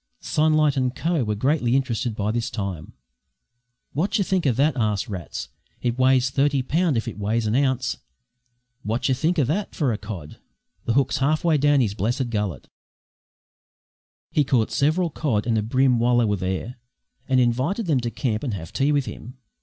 Sunlight and Co. were greatly interested by this time. "Wot yer think o' that?" asked Rats. "It weighs thirty pound if it weighs an ounce! Wot yer think o' that for a cod? The hook's half way down his blessed gullet!" He caught several cod and a bream while they were there, and invited them to camp and have tea with him.